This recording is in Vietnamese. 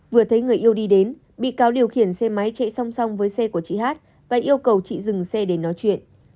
vừa thấy người yêu đi đến bị cáo điều khiển xe máy chạy song song với xe của chị hát và yêu cầu chị dừng xe để nói chuyện